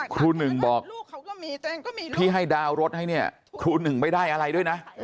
ครูหนึ่งบอกที่ให้ดาวน์รถให้เนี่ยครูหนึ่งไม่ได้อะไรด้วยนะ